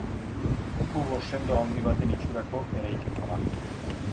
Kubo sendo handi baten itxurako eraikina da.